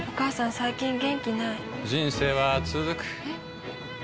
最近元気ない人生はつづくえ？